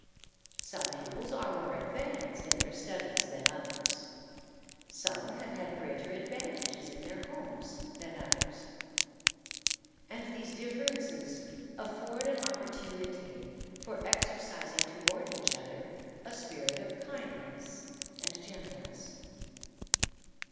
Some pupils are more advanced in their studies than others: some have had greater advantages in their homes than others: and these differences afford an opportunity for exercising toward each other a spirit of kindness and gentleness.